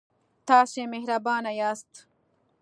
تاسې مهربانه یاست.